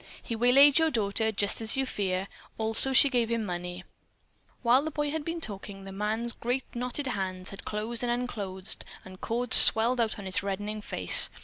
He waylaid your daughter, just as you fear. Also she gave him money." While the boy had been talking, the man's great knotted hands had closed and unclosed and cords swelled out on his reddening face.